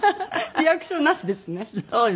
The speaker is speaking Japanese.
リアクションなしですね。